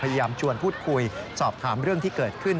ชวนพูดคุยสอบถามเรื่องที่เกิดขึ้น